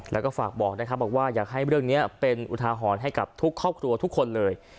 แล้วก็ฝากบอกนะครับบอกว่าอยากให้เรื่องนี้เป็นอุทาหรณ์ให้กับทุกครอบครัวทุกคนเลย